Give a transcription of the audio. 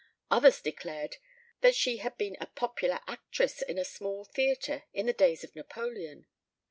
Others declared that she had been a popular actress in a small theatre in the days of Napoleon.